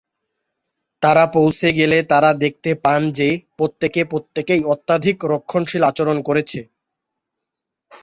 তারা পৌঁছে গেলে তারা দেখতে পান যে প্রত্যেকে প্রত্যেকেই অত্যধিক রক্ষণশীল আচরণ করছে।